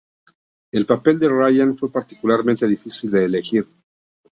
El papel de Ryan fue particularmente difícil de elegir.